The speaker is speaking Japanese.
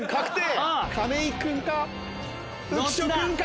浮所君か？